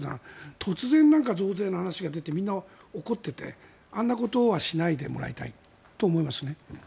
突然、増税の話が出てみんな怒っていてあんなことはしないでもらいたいと思いますね。